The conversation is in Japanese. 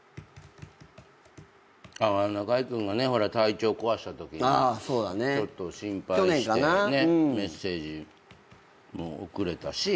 中居君が体調壊したとき心配してねメッセージも送れたし。